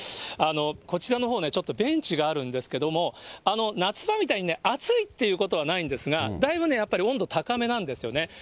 こちらのほうね、ちょっとベンチがあるんですけれども、夏場みたいに、暑いっていうことはないんですが、だいぶやっぱり温度高めなんですよね。